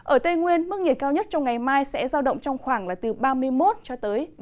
ở tây nguyên mức nhiệt cao nhất trong ngày mai sẽ giao động trong khoảng ba mươi một ba mươi ba độ